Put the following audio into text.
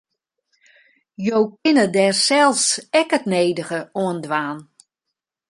Jo kinne dêr sels ek it nedige oan dwaan.